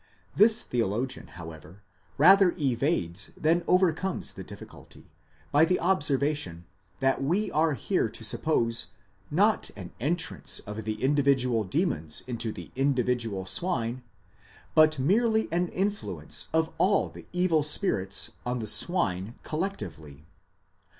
® This theologian, however, rather evades than overcomes the difficulty, by the observation that we are here to suppose, not an entrance of the individual demons into the individual swine, but merely an influence of all the evil spirits on the swine collectively.